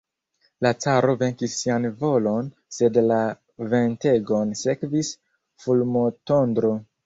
La caro venkis sian volon, sed la ventegon sekvis fulmotondro.